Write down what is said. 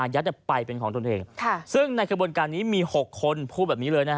ช่วงหนึ่งนะครับ